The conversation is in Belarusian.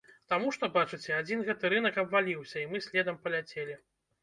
Таму што, бачыце, адзін гэты рынак абваліўся і мы следам паляцелі.